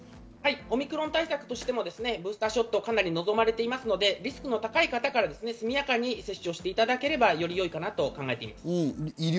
オミクロン対策としてもブースタショットをかなり望まれていますので、リスクの高い方から速やかに接種していただければ、より良いかなと考えます。